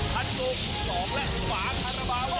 ฝารุงสรองและฝาข้าบาว